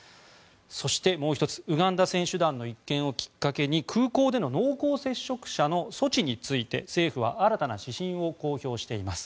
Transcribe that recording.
そして、もう１つウガンダ選手団の１件をきっかけに空港での濃厚接触者の措置について政府は新たな指針を公表しています。